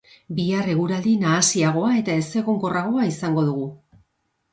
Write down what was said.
Bihar eguraldi nahasiagoa eta ezegonkorragoa izango dugu.